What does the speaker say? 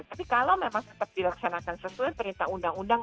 tapi kalau memang tetap dilaksanakan sesuai perintah undang undang